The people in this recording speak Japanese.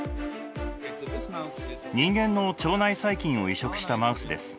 人間の腸内細菌を移植したマウスです。